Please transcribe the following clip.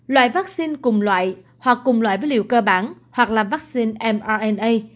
loại vắc xin cùng loại hoặc cùng loại với liều cơ bản hoặc là vắc xin mrna